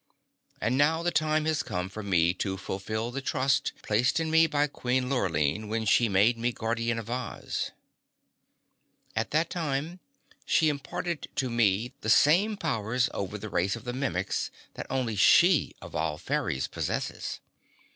And now the time has come for me to fulfill the trust placed in me by Queen Lurline when she made me Guardian of Oz. At that time she imparted to me the same powers over the race of Mimics that only she, of all fairies, possesses.